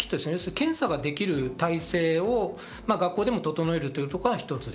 検査ができる体制を学校でも整えるということが一つ。